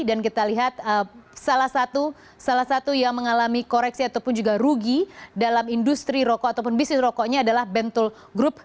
dan kita lihat salah satu yang mengalami koreksi atau pun juga rugi dalam industri rokok atau pun bisnis rokoknya adalah bentul group